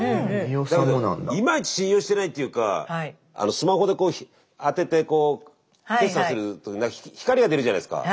だけどいまいち信用してないっていうかスマホでこう当ててこう決済すると光が出るじゃないですか。